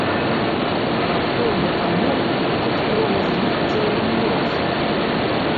Раптоўна памёр ад кровазліцця ў мозг.